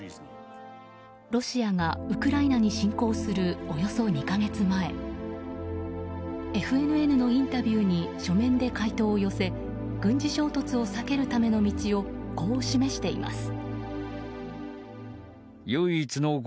ロシアがウクライナに侵攻するおよそ２か月前ＦＮＮのインタビューに書面で回答を寄せ軍事衝突を避けるための道をこう示しています。